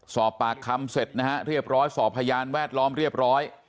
สอบปากคำเสร็จนะฮะเรียบร้อยสอบพยานแวดล้อมเรียบร้อย